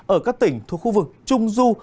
ở các tỉnh thuộc khu vực trung du